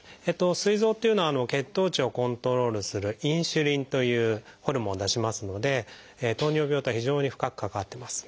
すい臓っていうのは血糖値をコントロールするインスリンというホルモンを出しますので糖尿病とは非常に深く関わってます。